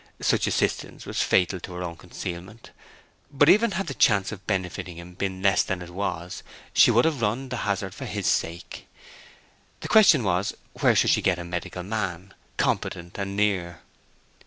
Such assistance was fatal to her own concealment; but even had the chance of benefiting him been less than it was, she would have run the hazard for his sake. The question was, where should she get a medical man, competent and near?